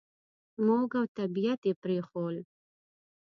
موږ او طبعیت یې پرېښوول.